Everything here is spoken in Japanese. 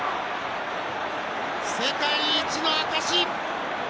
世界一の証し！